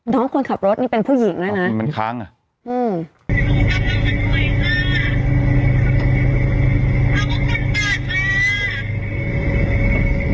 น้องคนขับรถนี่เป็นผู้หญิงด้วยน่ะอ่ามันคังอ่ะอืม